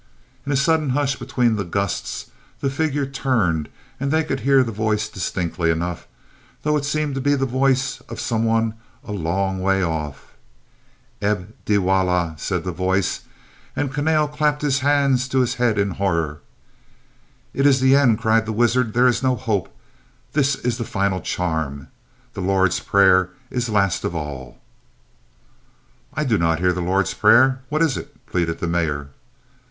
In a sudden hush between the gusts the figure turned and they could hear the voice distinctly enough, though it seemed to be the voice of some one a long way off. "Eb dewollah," said the voice, and Kahnale clapped his hands to his head in horror. "It is the end," cried the wizard. "There is no hope. This is the final charm. The Lord's Prayer is last of all." "I do not hear the Lord's Prayer. What is it?" pleaded the Mayor.